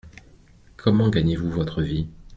Comment gagnez-vous votre vie ?